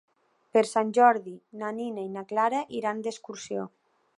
Per Sant Jordi na Nina i na Clara iran d'excursió.